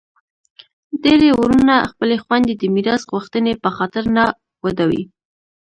ډیری وروڼه خپلي خویندي د میراث غوښتني په خاطر نه ودوي.